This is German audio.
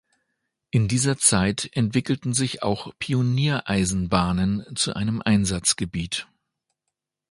In dieser Zeit entwickelten sich auch Pioniereisenbahnen zu einem Einsatzgebiet.